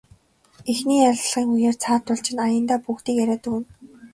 Эхний ярилцлагын үеэр цаадуул чинь аяндаа бүгдийг яриад өгнө.